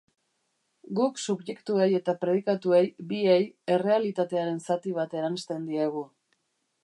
Guk subjektuei eta predikatuei, biei, errealitatearen zati bat eransten diegu.